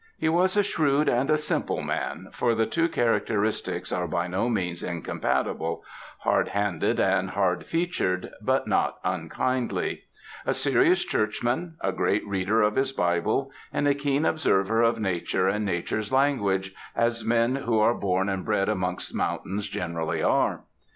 He was a shrewd and a simple man for the two characteristics are by no means incompatible hardhanded and hardfeatured, but not unkindly; a serious churchman, a great reader of his Bible, and a keen observer of Nature and Nature's language, as men who are born and bred amongst mountains generally are.